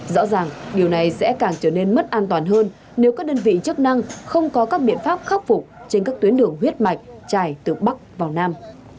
rõ ràng điều này sẽ càng trở nên mất an toàn hơn nếu các đơn vị chức năng không có các biện pháp khắc phục trên các tuyến đường huyết mạch trải từ bắc vào nam